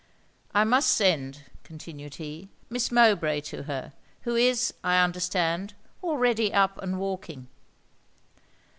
'I must send,' continued he, 'Miss Mowbray to her; who is, I understand, already up and walking.'